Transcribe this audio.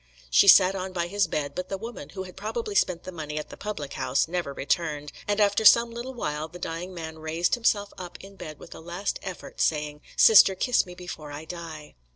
She sat on by his bed, but the woman, who had probably spent the money at the public house, never returned; and after some little while the dying man raised himself up in bed with a last effort, saying, "Sister, kiss me before I die."